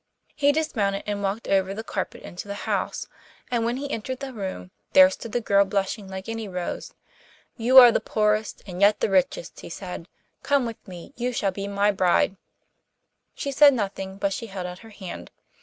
He dismounted and walked over the carpet into the house, and when he entered the room there stood the girl blushing like any rose. 'You are the poorest and yet the richest,' said he: 'come with me, you shall be my bride.' She said nothing, but she held out her hand.